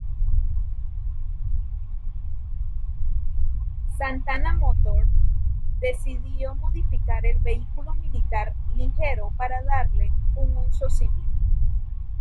Santana Motor decidió modificar el vehículo militar Ligero para darle un uso civil.